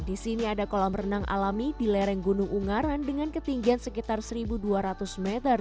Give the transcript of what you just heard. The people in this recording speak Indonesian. di sini ada kolam renang alami di lereng gunung ungaran dengan ketinggian sekitar satu dua ratus meter